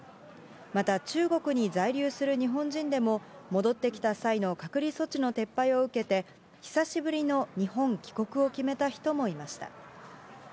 また中国に在留する日本人でも、戻ってきた際の隔離措置の撤廃を受けて、久しぶりの日本帰国を決めた人もいました。